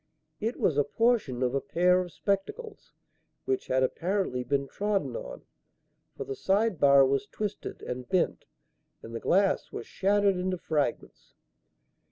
It was a portion of a pair of spectacles, which had apparently been trodden on, for the side bar was twisted and bent and the glass was shattered into fragments.